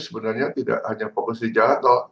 sebenarnya tidak hanya fokus di jalan tol